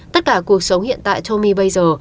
tất cả cuộc sống hiện tại tommy bây giờ